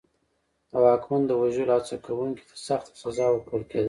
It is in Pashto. د واکمن د وژلو هڅه کوونکي ته سخته سزا ورکول کېده.